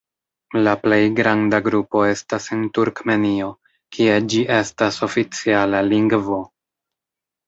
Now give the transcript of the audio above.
La plej granda grupo estas en Turkmenio kie ĝi estas oficiala lingvo.